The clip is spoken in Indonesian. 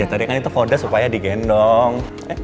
tadi kan itu kode supaya digendong